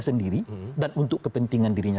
sendiri dan untuk kepentingan dirinya